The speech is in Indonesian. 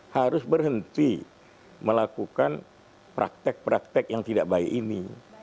harus berhenti melakukan praktek praktek yang tidak baik ini